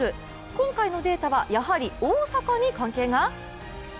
今回のデータはやはり大阪に関係が？